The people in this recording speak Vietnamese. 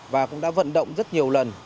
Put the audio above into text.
và cũng đã vận động rất nhiều lần